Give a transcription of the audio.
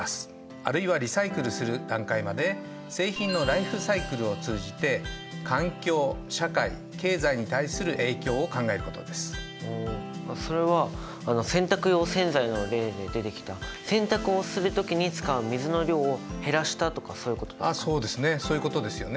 あるいはリサイクルする段階までああそれは洗濯用洗剤の例で出てきた洗濯をする時に使う水の量を減らしたとかそういうことですね？